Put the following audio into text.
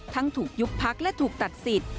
ถูกยุบพักและถูกตัดสิทธิ์